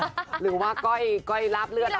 นะใบว่ากล้อยลับเลือด